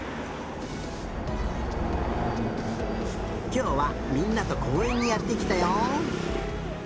きょうはみんなとこうえんにやってきたよ。